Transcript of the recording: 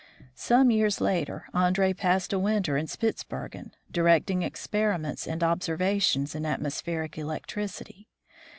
Some years later Andree passed a winter in Spitzbergen, directing experiments and observations in atmospheric electricity.